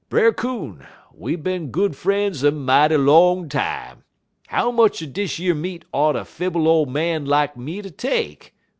Brer Coon, we bin good fr'en's a mighty long time; how much er dish yer meat ought a fibble ole man lak me ter take?'